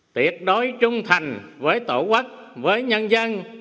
tuyệt đối trung thành với tổ quốc với nhân dân